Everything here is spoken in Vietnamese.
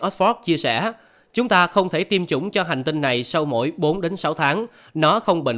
oxford chia sẻ chúng ta không thể tiêm chủng cho hành tinh này sau mỗi bốn đến sáu tháng nó không bình